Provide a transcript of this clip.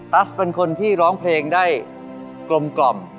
ตั๊บเป็นคนที่ร้องเพลงได้กลม